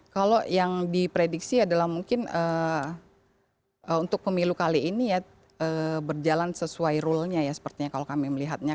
kalau yang diprediksi adalah mungkin untuk pemilu kali ini ya berjalan sesuai rule nya ya sepertinya kalau kami melihatnya